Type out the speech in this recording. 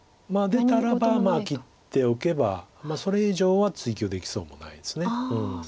出たらば切っておけばそれ以上は追及できそうもないです。